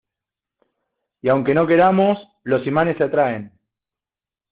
y aunque no queramos, los imanes se atraen.